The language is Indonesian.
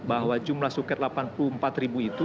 bahwa jumlah suket delapan puluh empat ribu itu